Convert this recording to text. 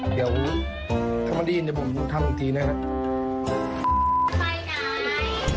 เดี๋ยวถ้าไม่ได้ยินผมทำอีกทีนะครับ